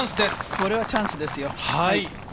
これはチャンスですよ。